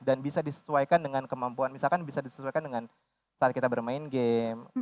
dan bisa disesuaikan dengan kemampuan misalkan bisa disesuaikan dengan saat kita bermain game